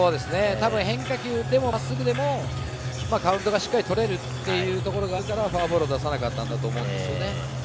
多分、変化球でも真っすぐでもカウントがしっかり取れるっていうところがあるからフォアボールを出さなかったんだと思うんですね。